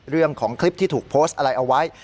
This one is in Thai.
เรื่องของคลิปที่ถูกโพสต์อะไรเอาไว้